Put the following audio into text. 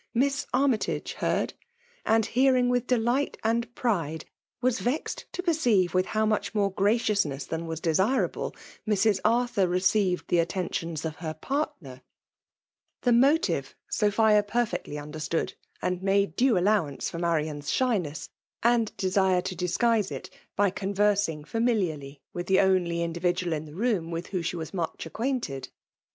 Miss Armytage heard; and, hearing with delightlmd pride, was vexed to perceive with how much more graciousness than was desirable Mrs. Arthur received the attenticma of her partner. The motive. So* 126 FfiMALE DOWlNATJOlf. phia perfectly understood ; and made due «!« lowance tor Marian's shyness, and desire P0 disguise it by cosTersing fSeimiliarly witli file ofnly individual in the room with whom 1^ wm much acquainted.